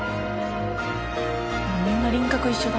みんな輪郭一緒だ。